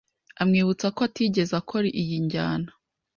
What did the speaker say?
amwibutsa ko atigeze akora iyi njyana